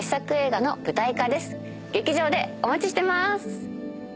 劇場でお待ちしてまーす！